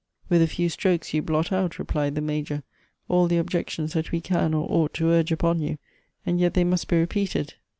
" With a few strokes you blot out," replied the Major, " all the objections that we can or ought to urge upon you, and yet they must be repeated.